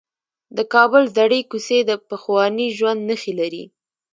د کابل زړې کوڅې د پخواني ژوند نښې لري.